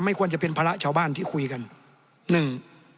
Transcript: ควรจะเป็นภาระชาวบ้านที่คุยกันหนึ่ง